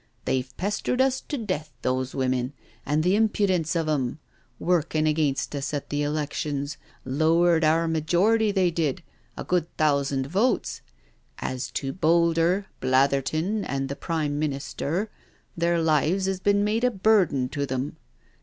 They've pestered us to death, those women, and the impudence of 'em I Workin' against us at the elections, lowered our majority, they did, a good thousand votes. As to Boulder, Blatherton, and the Prime Minister, their lives 'as been made a burden to them.